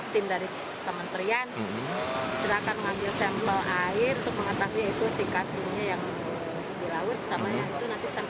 tim dari kementerian